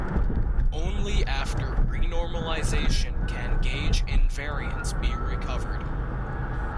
Only after renormalization can gauge invariance be recovered.